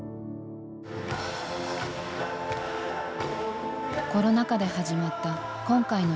コロナ禍で始まった今回のツアー。